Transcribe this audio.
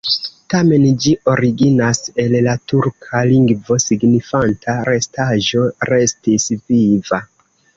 Tamen ĝi originas el la turka lingvo signifanta: restaĵo, restis viva.